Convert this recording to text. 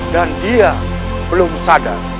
dan dia belum sadar